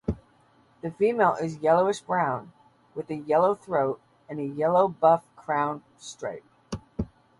The female is yellowish brown with a yellow throat and yellow-buff crown stripe.